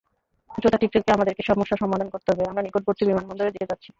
উচ্চতা ঠিক রেখে আমাদেরকে সমস্যার সমাধান করতে হবে, আমরা নিকটবর্তী বিমানবন্দরের দিকে যাচ্ছি।